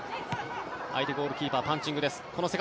相手ゴールキーパーパンチングです。